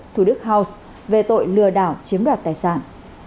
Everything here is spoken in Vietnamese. thủ đức house về tội lừa đảo chiếm đoạt tài sản